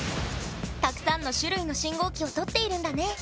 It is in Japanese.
たくさんの種類の信号機を撮っているんだね。